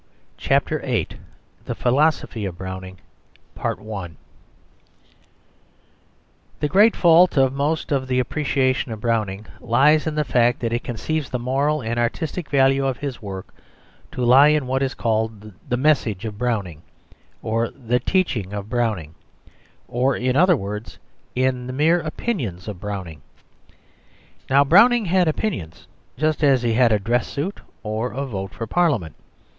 CHAPTER VIII THE PHILOSOPHY OF BROWNING The great fault of most of the appreciation of Browning lies in the fact that it conceives the moral and artistic value of his work to lie in what is called "the message of Browning," or "the teaching of Browning," or, in other words, in the mere opinions of Browning. Now Browning had opinions, just as he had a dress suit or a vote for Parliament.